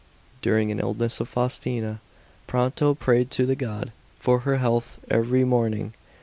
During an illness of Faustina, Pronto prayed to the god > for her health every mo niog.